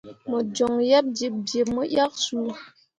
Mo joŋ yeb jiɓjiɓ mo yak su.